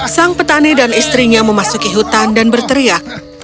sang petani dan istrinya memasuki hutan dan berteriak